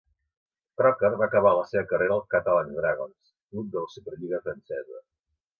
Croker va acabar la seva carrera al Catalans Dragons, club de la superlliga francesa.